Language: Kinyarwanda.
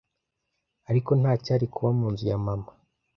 ariko ntacyari kuba munzu ya mama